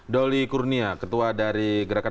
doli kurnia ketua dari gerakan